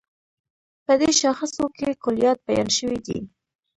په دې شاخصو کې کُليات بیان شوي دي.